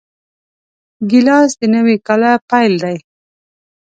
ګیلاس د نوي کاله پیل دی.